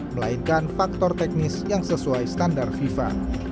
melainkan faktor teknis yang sesuai standar fifa